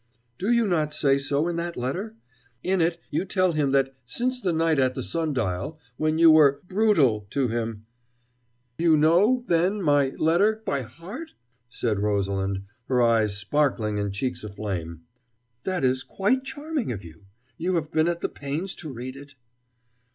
"Do you not say so in that letter? In it you tell him that since the night at the sun dial, when you were 'brutal' to him " "You know, then, my letter by heart?" said Rosalind, her eyes sparkling and cheeks aflame. "That is quite charming of you! You have been at the pains to read it?"